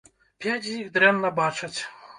Пяць з іх дрэнна бачаць.